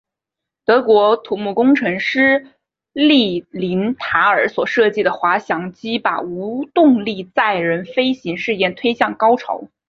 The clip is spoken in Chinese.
德国土木工程师利林塔尔所设计的滑翔机把无动力载人飞行试验推向高潮。